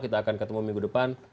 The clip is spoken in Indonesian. kita akan ketemu minggu depan